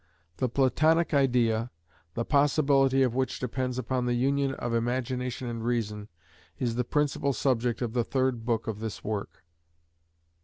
The Platonic idea, the possibility of which depends upon the union of imagination and reason, is the principal subject of the third book of this work.